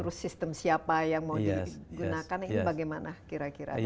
terus sistem siapa yang mau digunakan ini bagaimana kira kira